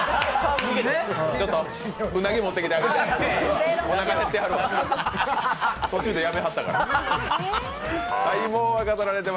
ちょっと、うなぎ持ってきてあげて。